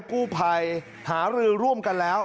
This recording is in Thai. กู้ภัยหารือร่วมกันแล้ว